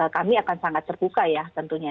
kami akan sangat terbuka ya tentunya